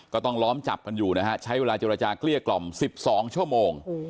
ต้องล้อมจับกันอยู่นะฮะใช้เวลาเจรจาเกลี้ยกล่อม๑๒ชั่วโมง